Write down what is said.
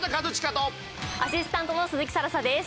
アシスタントの鈴木新彩です。